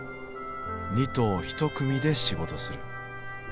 ２頭１組で仕事する。